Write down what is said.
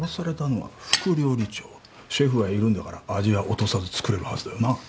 シェフはいるんだから味は落とさず作れるはずだよな。